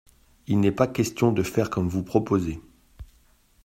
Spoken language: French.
Il n’est pas question de faire comme vous proposez.